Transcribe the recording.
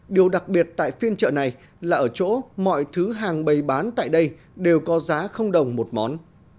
điều đặc biệt tại phiên chợ này là ở chỗ mọi thứ hàng bày bán tại đây đều có giá đồng một món